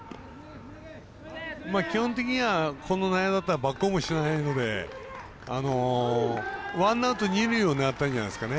基本的には、この内野だったらバックホームしないのでワンアウト、二塁を狙ったんじゃないですかね